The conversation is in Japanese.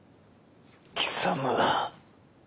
貴様。